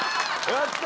やった！